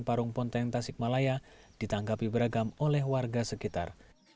dan parung ponteng tasikmalaya ditangkapi beragam oleh warga sekitar